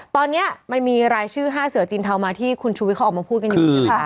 ตอนนี้มันมีรายชื่อ๕เสือจีนเทามาที่คุณชูวิทเขาออกมาพูดกันอยู่ใช่ไหมคะ